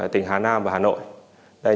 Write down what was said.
tỉnh hà nam và hà nội